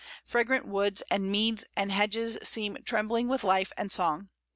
Fragrant woods and meads and hedges EMPTY HOUSES. 1 5 seem trembling with life and song.